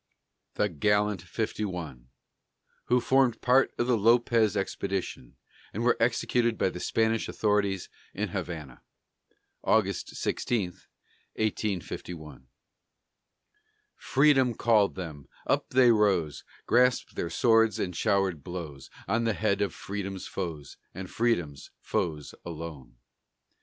THE GALLANT FIFTY ONE WHO FORMED PART OF THE LOPEZ EXPEDITION AND WERE EXECUTED BY THE SPANISH AUTHORITIES IN HAVANA [August 16, 1851] Freedom called them up they rose, Grasped their swords and showered blows On the heads of Freedom's foes And Freedom's foes alone.